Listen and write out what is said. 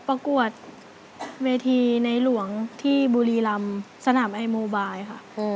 ประกวดเวทีในหลวงที่บุรีรำสนามไอโมบายค่ะ